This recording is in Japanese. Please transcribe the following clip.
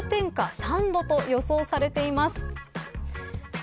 ３度と予想されています。